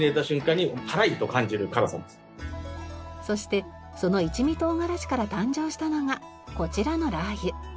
そしてその一味唐辛子から誕生したのがこちらの辣油。